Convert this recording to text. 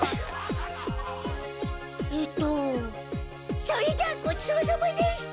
ええっとそれじゃあごちそうさまでした！